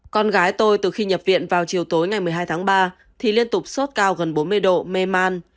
con gái tôi từ khi nhập viện vào chiều tối ngày một mươi hai tháng ba thì liên tục sốt cao gần bốn mươi độ mê man